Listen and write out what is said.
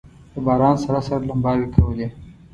د باران سره سره لمباوې کولې.